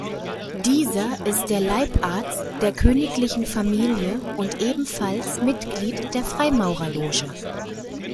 Dieser ist der Leibarzt der königlichen Familie und ebenfalls Mitglied der Freimaurerloge.